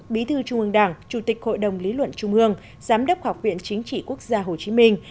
bí thư trung ương đảng chủ tịch hội đồng lý luận trung ương giám đốc học viện chính trị quốc gia hồ chí minh